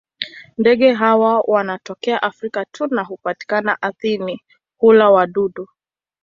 Ndege hawa wanatokea Afrika tu na hupatikana ardhini; hula wadudu.